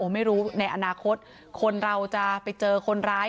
ไม่รู้ในอนาคตคนเราจะไปเจอคนร้าย